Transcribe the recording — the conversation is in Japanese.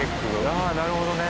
ああなるほどね。